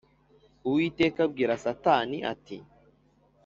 Uwiteka abwira Satani ati